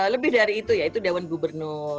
lebih dari itu yaitu dewan gubernur